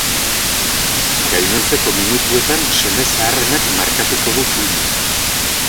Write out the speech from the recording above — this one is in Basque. Gainontzeko minutuetan seme zaharrenak markatuko du filma.